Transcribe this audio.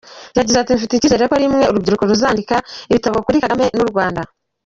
Yagize ati “Mfite icyizere ko rimwe urubyiruko ruzandika ibitabo kuri Kagame n’u Rwanda.